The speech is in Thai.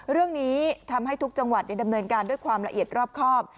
เรื่องนี้ทำให้ทุกจังหวัดดำเนินการด้วยความละเอียดรอบครอบ